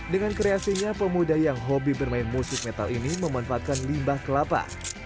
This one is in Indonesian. dengan kreasinya pemuda yang hobi bermain musik metal ini memanfaatkan limbah kelapa